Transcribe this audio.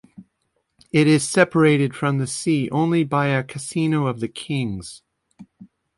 It is separated from the sea only by a casino of the king's.